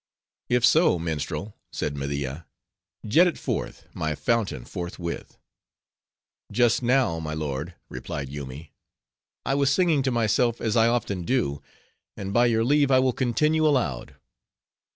"If so, minstrel," said Media, "jet it forth, my fountain, forthwith." "Just now, my lord," replied Yoomy, "I was singing to myself, as I often do, and by your leave, I will continue aloud."